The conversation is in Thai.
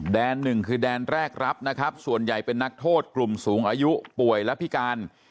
หนึ่งคือแดนแรกรับนะครับส่วนใหญ่เป็นนักโทษกลุ่มสูงอายุป่วยและพิการ